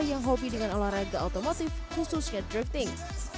yang hobi dengan olahraga otomotif khususnya drifting